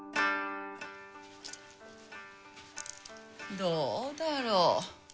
どうだろう。